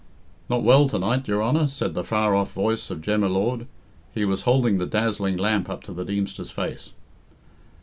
"Not well to night, your Honour?" said the far off voice of Jem y Lord. He was holding the dazzling lamp up to the Deemster's face.